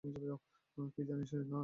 কী জানিস না, তুই?